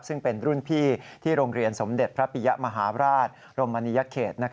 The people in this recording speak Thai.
ซึ่งเป็นรุ่นพี่ที่โรงเรียนสมเด็จพระปิยะมหาราชรมนียเขต